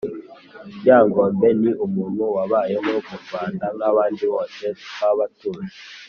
Ryangombe ni umuntu wabayeho mu Rwanda nk’abandi bose twaba tuzi.